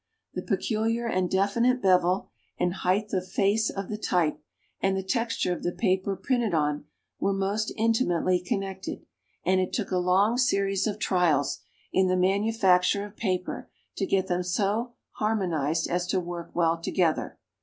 The peculiar and definite bevel, and height of face of the type, and the texture of the paper printed on, were most intimately connected, and it took a long series of trials, in the manufacture of paper, to get them so harmonized as to work well together.